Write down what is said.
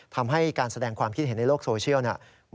ทำให้การแสดงความคิดเห็นในโลกโซเชียลเนี่ย